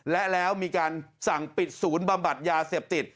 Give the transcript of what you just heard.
และแล้วมีการสั่งปิดศูนย์บำบัดยาเสพติด